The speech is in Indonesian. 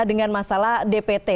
dengan masalah dpt